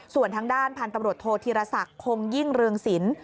ส่วนทางด้านพันธุ์กรรมรถโทษธิรษักร์คงยิ่งเรืองสิน